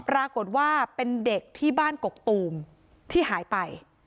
ปรากฏว่าเป็นเด็กที่บ้านกกตูมที่หายไป